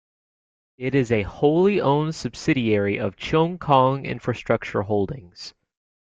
It is a wholly owned subsidiary of Cheung Kong Infrastructure Holdings.